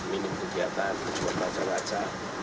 minit kegiatan cuma baca baca